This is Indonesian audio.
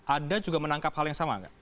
anda juga menangkap hal yang sama nggak